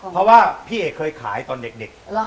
เพราะว่าพี่เอกเคยขายตอนเด็ก